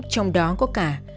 trong đó có cả